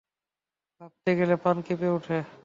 ভাবতে গেলে প্রাণ কেঁপে ওঠে।